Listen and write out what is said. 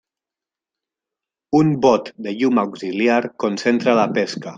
Un bot de llum auxiliar concentra la pesca.